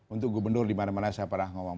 untuk gubernur dimana mana saya pernah ngomong